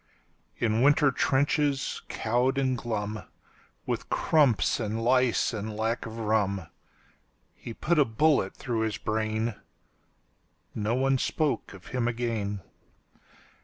In winter trenches, cowed and glum, With crumps and lice and lack of rum, He put a bullet through his brain.No one spoke of him again.